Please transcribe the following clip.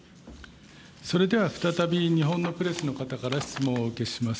それでは再び日本のプレスの方から質問をお受けします。